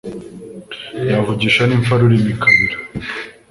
Yavugisha n'impfa rurimi ikabira,